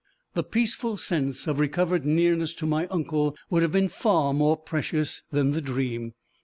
The peaceful sense of recovered nearness to my uncle would have been far more precious than the dream.